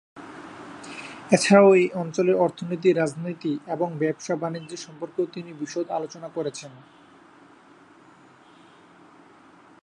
এছাড়াও এই অঞ্চলের অর্থনীতি, রাজনীতি এবং ব্যবসা-বাণিজ্য সম্পর্কেও তিনি বিশদ আলোচনা করেছেন।